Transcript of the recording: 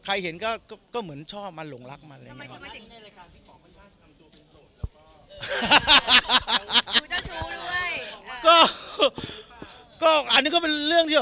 เห็นก็เหมือนชอบมันหลงรักมันอะไรอย่างนี้